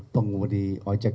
penghubung di ojek